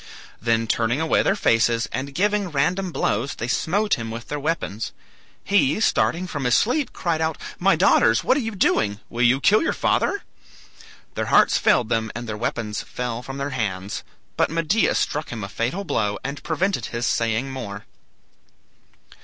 Then turning away their faces, and giving random blows, they smote him with their weapons. He, starting from his sleep, cried out, "My daughters, what are you doing? Will you kill your father?" Their hearts failed them and their weapons fell from their hands, but Medea struck him a fatal blow, and prevented his saying more.